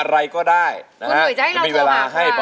ตาเขม็ดหัวใจอดเต้นตั้งนาน